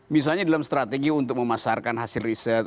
misalnya dalam strategi untuk memasarkan hasil riset